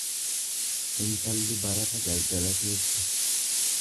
Intalli barata galgala keessa.